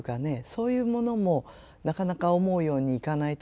そういうものもなかなか思うようにいかない年ですよね。